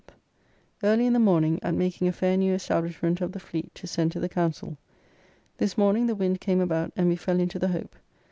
Early in the morning at making a fair new establishment of the Fleet to send to the Council. This morning, the wind came about, and we fell into the Hope, [A reach of the Thames near Tilbury.